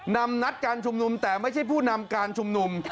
นัดการชุมนุมแต่ไม่ใช่ผู้นำการชุมนุม